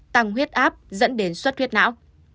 tăng huyết áp dẫn đến suất huyết não